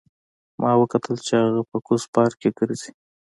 ما وکتل چې هغه په کوز پارک کې ګرځي